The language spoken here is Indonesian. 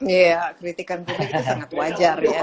iya kritikan publik ini sangat wajar ya